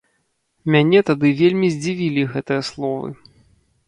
Мяне тады вельмі здзівілі гэтыя словы.